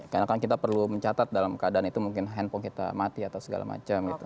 karena kan kita perlu mencatat dalam keadaan itu mungkin handphone kita mati atau segala macam gitu